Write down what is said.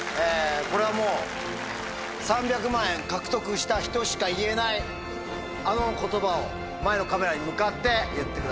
これはもう３００万円獲得した人しか言えないあの言葉を前のカメラに向かって言ってください。